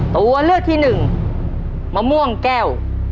ตัวเลือกที่หนึ่งมะม่วงแก้ว